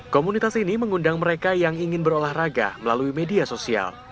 komunitas ini mengundang mereka yang ingin berolahraga melalui media sosial